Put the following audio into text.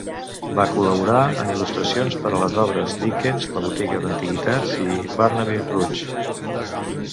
Va col·laborar en il·lustracions per a les obres Dickens "La botiga d'antiguitats" i "Barnaby Rudge".